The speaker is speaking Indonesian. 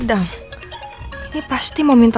nanti dimatiin gitu